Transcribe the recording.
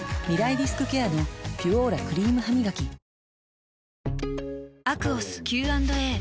リスクケアの「ピュオーラ」クリームハミガキプシューッ！